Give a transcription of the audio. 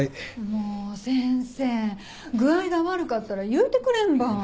もう先生具合が悪かったら言うてくれんば。